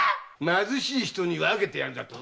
貧しい人に分けるだと？